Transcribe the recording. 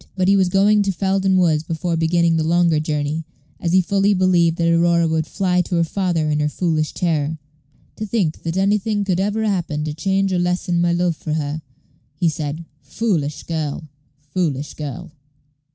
But he was going to Felden Woods before beginning the longer journey, as he fully believed that Aurora would fly to her father in her foolish terror. "To think that anything could ever happen to change or lessen my love for her," he said: "foolish girl! foolish girl!"